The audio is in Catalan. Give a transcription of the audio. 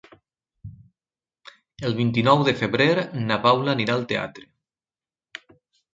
El vint-i-nou de febrer na Paula anirà al teatre.